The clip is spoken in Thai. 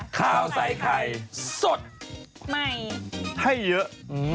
ข่าวใส่ไข่สดใหม่ให้เยอะ